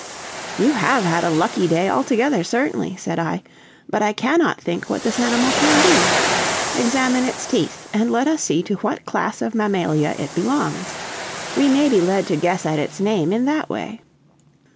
"You have had a lucky day altogether, certainly," said I; "but I cannot think what this animal can be. Examine its teeth, and let us see to what class of mammalia it belongs. We may be led to guess at its name in that way."